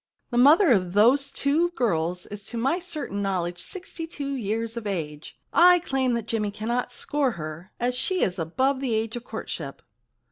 The mother of those two girls is to my certain knowledge sixty two years of age. I claim that Jimmy cannot score her, as she is above the age of courtship.'